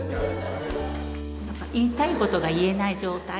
言いたいことが言えない状態。